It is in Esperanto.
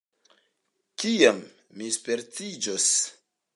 Kiam mi spertiĝos?